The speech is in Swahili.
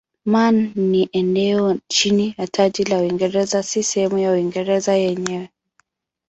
Man ni eneo chini ya taji la Uingereza si sehemu ya Uingereza yenyewe.